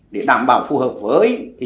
để đảm bảo phù hợp với